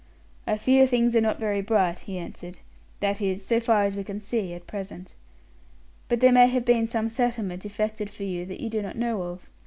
"I fear things are not very bright," he answered. "That is, so far as we can see at present. But there may have been some settlement effected for you that you do not know of.